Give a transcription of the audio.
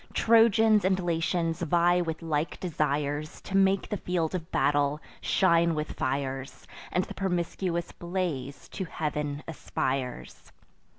Trojans and Latians vie with like desires To make the field of battle shine with fires, And the promiscuous blaze to heav'n aspires.